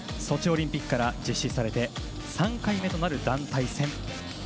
ソチオリンピックから実施されて３回目となる団体戦。